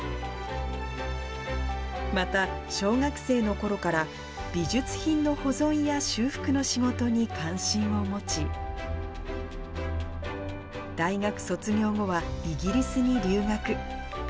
また、小学生のころから、美術品の保存や修復の仕事に関心を持ち、大学卒業後はイギリスに留学。